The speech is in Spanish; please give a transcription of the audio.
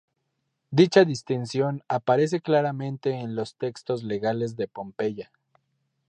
Dicha distinción aparece claramente en los textos legales de Pompeya.